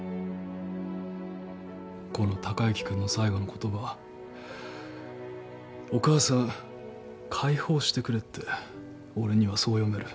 この貴之君の最後の言葉は「お母さん解放してくれ」って俺にはそう読める。